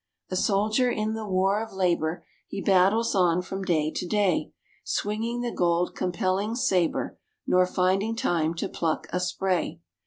"A soldier in the war of labor, He battles on, from day to day, Swinging the gold compelling sabre, Nor finding time to pluck a spray.